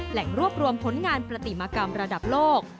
แหล่งรวบรวมผลงานปฏิมากรรมระดับโลก